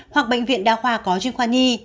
hoặc bệnh viện đa khoa có chuyên khoa nhi